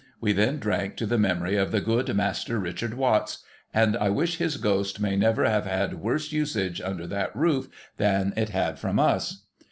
We then drank to the memory of the good Master Richard AN'atts. And I wish his Ghost may never have had worse usage under that roof than it had from us.